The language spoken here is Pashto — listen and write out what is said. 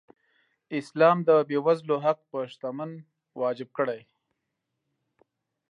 اسلام د بېوزلو حق په شتمن واجب کړی.